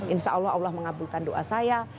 insya allah allah mengabulkan doa saya